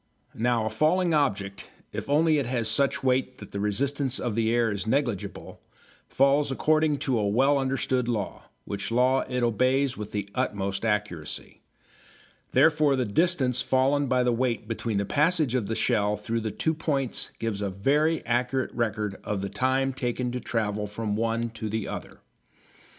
Now a falling object, if only it has such weight that the resistance of the air is negligible, falls according to a well understood law, which law it obeys with the utmost accuracy. Therefore the distance fallen by the weight between the passage of the shell through two points gives a very accurate record of the time taken to travel from one to the other.